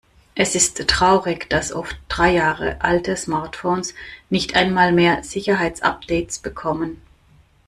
Es ist traurig, dass oft drei Jahre alte Smartphones nicht einmal mehr Sicherheitsupdates bekommen.